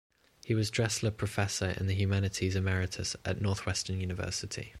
He was Dressler Professor in the Humanities Emeritus at Northwestern University.